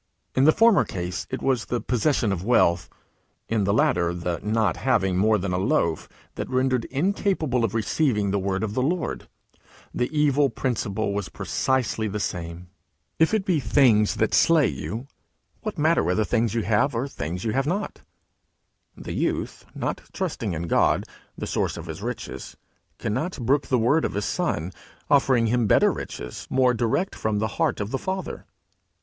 In the former case it was the possession of wealth, in the latter the not having more than a loaf, that rendered incapable of receiving the word of the Lord: the evil principle was precisely the same. If it be Things that slay you, what matter whether things you have, or things you have not? The youth, not trusting in God, the source of his riches, cannot brook the word of his Son, offering him better riches, more direct from the heart of the Father.